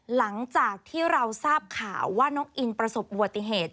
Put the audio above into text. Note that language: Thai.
หลังจากที่เราทราบข่าวว่าน้องอินประสบอุบัติเหตุ